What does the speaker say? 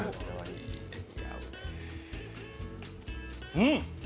うん。